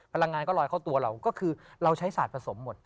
พลังงานก็ลอยเข้าตัวเราก็คือเราใช้ศาสตร์ผสมหมด